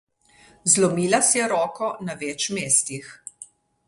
Zlomila si je roko na več mestih.